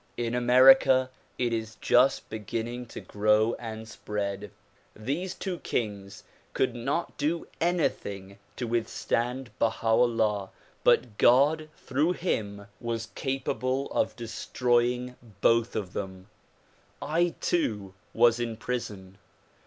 In America it is just beginning to grow and spread. These two kings could not do anything to withstand Baha 'Ullah but God through him, was capable of destroying both of 220 THE PROMULGATION OF UNIVERSAL PEACE them. I too was in prison.